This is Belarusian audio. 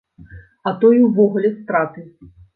А то і ўвогуле страты.